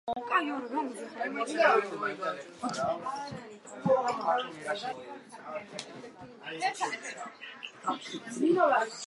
მარქსიზმი საფუძვლად დაედო ორ პრინციპულად განსხვავებულ იდეოლოგიას, პოლიტიკურ მიმდინარეობასა და სახელმწიფოებრივ წყობას.